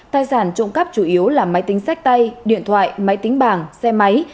tài sản trộm cắp chủ yếu là máy tính sách tay điện thoại máy tính bảng xe máy